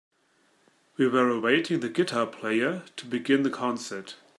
We were awaiting the guitar player to begin the concert.